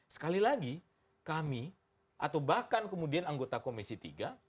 sekali lagi kami atau bahkan kemudian anggota komisi tiga